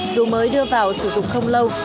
dù mới đưa vào sử dụng không lâu